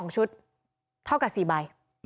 ๒ชุดเท่ากับ๔ใบ